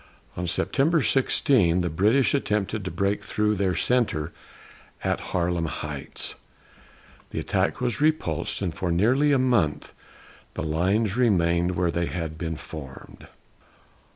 On September 16 the British attempted to break through their centre at Harlem Heights. The attack was repulsed, and for nearly a month the lines remained where they had been formed.